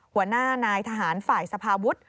หัวหน้านายทหารฝ่ายสภาวุฒิ